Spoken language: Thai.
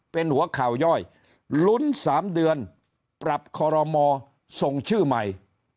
เป็นหัวข่าวย่อยลุ้น๓เดือนปรับคอรมอส่งชื่อใหม่